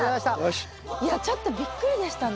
いやちょっとびっくりでしたね。